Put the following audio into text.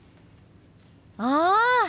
ああ！